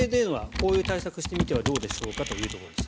こういう対策してみてはどうでしょうかというところです